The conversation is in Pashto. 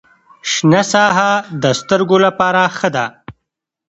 شنه ساحه د سترګو لپاره ښه ده.